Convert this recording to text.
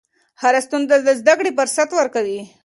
هره ستونزه د زدهکړې فرصت ورکوي.